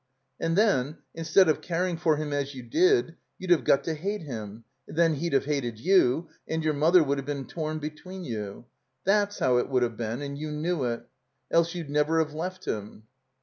And then, instead of caring for him as you did, you'd have got to hate him, and then he'd have hated you; and your mother would have been torn between you. That's how it would have been, and you knew it. Else you'd never have left him."